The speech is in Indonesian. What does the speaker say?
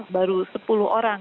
baru sepuluh orang